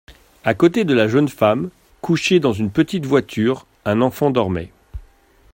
A côté de la jeune femme, couché dans une petite voiture, un enfant dormait.